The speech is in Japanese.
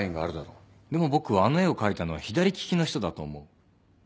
でも僕はあの絵を描いたのは左利きの人だと思う。